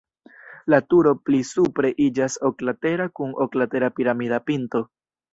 La turo pli supre iĝas oklatera kun oklatera piramida pinto.